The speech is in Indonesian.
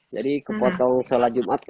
jadi kepotong sholat jumat